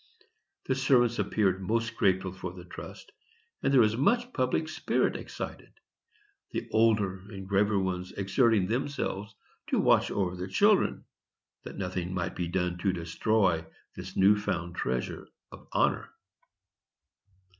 The servants appeared most grateful for the trust, and there was much public spirit excited, the older and graver ones exerting themselves to watch over the children, that nothing might be done to destroy this new found treasure of honor.